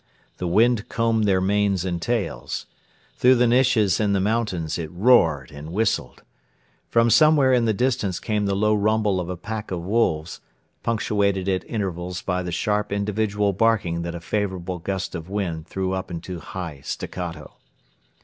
The wind combed their manes and tails. Through the niches in the mountains it roared and whistled. From somewhere in the distance came the low rumble of a pack of wolves, punctuated at intervals by the sharp individual barking that a favorable gust of wind threw up into high staccato.